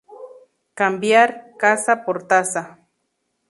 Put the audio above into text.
Cambiar "casa" por "tasa".